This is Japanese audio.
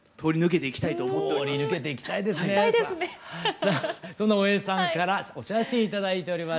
さあそんな大江さんからお写真頂いております。